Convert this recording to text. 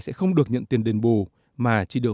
sẽ không được nhận tiền đền bù mà chỉ được